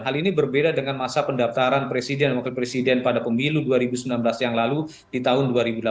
hal ini berbeda dengan masa pendaftaran presiden dan wakil presiden pada pemilu dua ribu sembilan belas yang lalu di tahun dua ribu delapan belas